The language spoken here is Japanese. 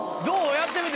やってみてどう？